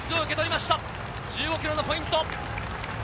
１５ｋｍのポイント。